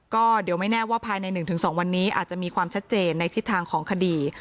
ก็เดี๋ยวไม่แน่ว่าภายใน๑๒วันนี้อาจจะมีความชัดเจนในทิศทางของคดี